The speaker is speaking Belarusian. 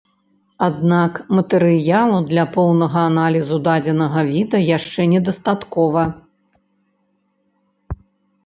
Аднак матэрыялу для поўнага аналізу дадзенага віда яшчэ недастаткова.